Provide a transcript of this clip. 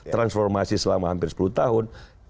transformasi selama hampir sepuluh tahun